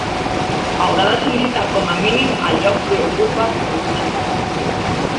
Haurà de sol·licitar com a mínim, el lloc que ocupa provisionalment.